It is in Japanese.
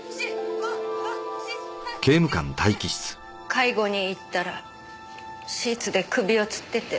介護に行ったらシーツで首をつってて。